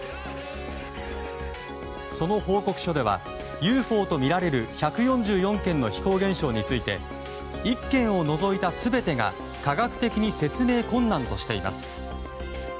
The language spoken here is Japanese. その報告書ではＵＦＯとみられる１４４件の飛行現象について１件を除いた全てが科学的に説明困難としています。